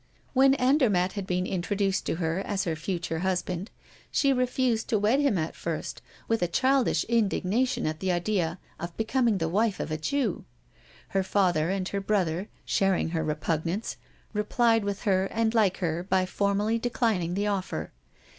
When Andermatt had been introduced to her as her future husband, she refused to wed him at first with a childish indignation at the idea of becoming the wife of a Jew. Her father and her brother, sharing her repugnance, replied with her and like her by formally declining the offer.